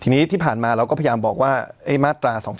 ทีนี้ที่ผ่านมาเราก็พยายามบอกว่าที่ผ่านมาเราก็พยายามบอกว่า